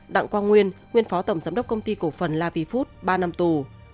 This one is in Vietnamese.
đặng quang nguyên nguyên phó tổng giám đốc công ty cổ phần la vy food ba năm tù